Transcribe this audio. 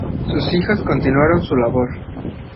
Sus hijas continuaron su labor.